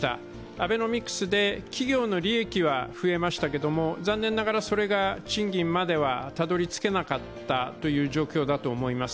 アベノミクスで企業の利益は増えましたけれども残念ながらそれが賃金まではたどり着けなかった状況だと思います。